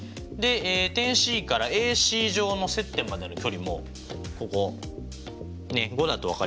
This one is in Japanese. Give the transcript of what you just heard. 点ＣからＡＣ上の接点までの距離もここ５だと分かりますね。